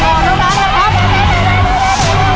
เร็วเร็วเร็ว